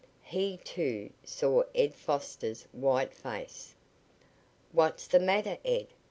He, too, saw Ed Foster's white face. "What's the matter, Ed?"